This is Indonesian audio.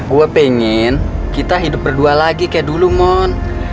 gue pengen kita hidup berdua lagi kayak dulu mon